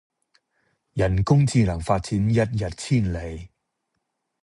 人工智能發展一日千里